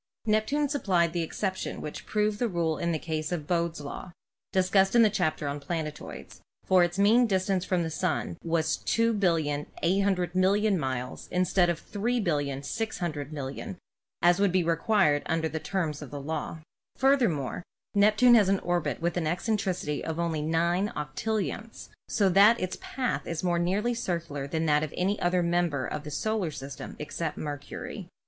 Neptune supplied the exception which proved the rule in the case of Bode's law, discussed in the chapter on planetoids, for its mean distance from the Sun was 2,800, 000,000 miles instead of 3,600,000,000 as would be required under the terms of the law. Furthermore, Neptune has an orbit with an eccentricity of only 9 / 1000 , so that its path is more nearly circular than that of any other member of the solar system except Mercury.